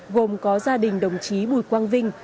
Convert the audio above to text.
gồm có gia đình đồng chí bùi quang vinh